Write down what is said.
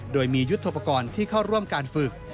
โดยมียุทธโปรกรณ์ที่เข้าร่วมการฝึก